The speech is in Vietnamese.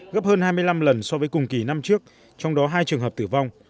gấp hơn hai mươi năm lần so với cùng kỳ năm trước trong đó hai trường hợp tử vong